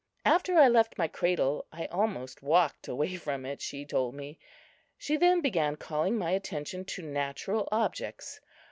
After I left my cradle, I almost walked away from it, she told me. She then began calling my attention to natural objects.